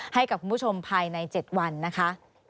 ให้กับคุณผู้ชมภายใน๗วันนะคะ